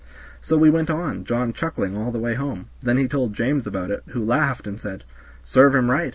So we went on, John chuckling all the way home; then he told James about it, who laughed and said, "Serve him right.